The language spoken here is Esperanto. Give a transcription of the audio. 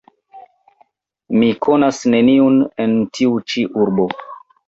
Mi konas neniun en tiu ĉi urbo.